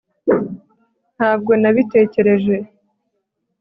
Ntabwo nabitekereje